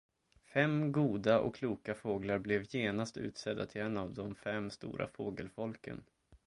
Fem goda och kloka fåglar blev genast utsedda av de fem stora fågelfolken.